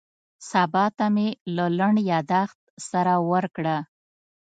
سبا ته مې له لنډ یاداښت سره ورکړه.